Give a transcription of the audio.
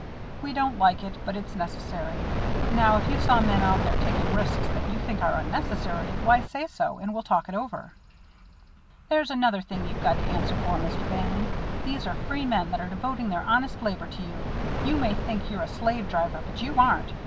We don't like it, but it's necessary. Now, if you saw men out there taking risks that you think are unnecessary, why, say so, and we'll talk it over." "There's another thing you've got to answer for, Mr. Bannon. These are free men that are devoting their honest labor to you. You may think you're a slave driver, but you aren't.